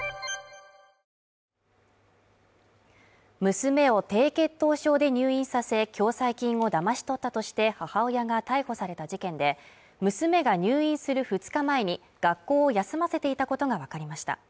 娘を低血糖症で入院させ共済金をだまし取ったとして母親が逮捕された事件で娘が入院する２日前に学校を休ませていたことがわかりました。